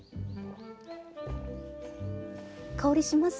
香りします？